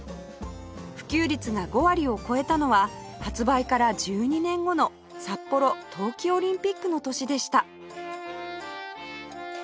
普及率が５割を超えたのは発売から１２年後の札幌冬季オリンピックの年でした